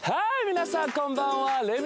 皆さんこんばんは。